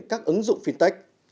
các ứng dụng fintech